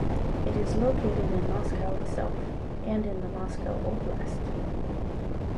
It is located in Moscow itself and in the Moscow Oblast.